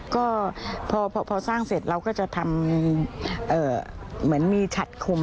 ก็พอสร้างเสร็จเราก็จะทำเหมือนมีฉัดคม